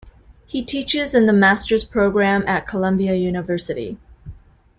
He teaches in the masters program at Columbia University.